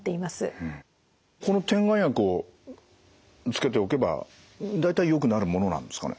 この点眼薬をつけておけば大体よくなるものなんですかね？